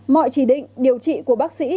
mọi chỉ định điều trị của bác sĩ